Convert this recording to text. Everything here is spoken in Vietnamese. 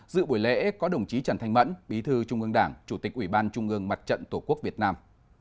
dự buổi lễ có đồng chí trần thanh mẫn bí thư trung ương đảng chủ tịch ủy ban trung ương mặt trận tổ quốc việt nam